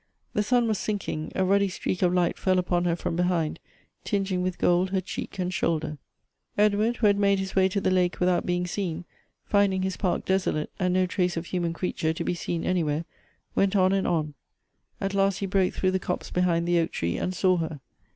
The sun was sinking; a ruddy streak of light fell upon her from behind, tinging with gold her cheek and shoulder. Edward, who had made his way to the lake without being seen, find ing his park desolate, and no trace of human creature to be seen anywhere, went on and on. At last he broke through the copse behind the oak tree, and saw her.